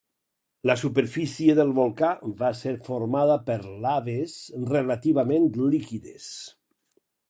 La superfície del volcà va ser formada per laves relativament líquides.